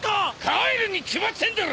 帰るに決まってんだろ！